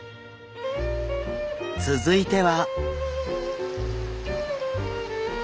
続いては。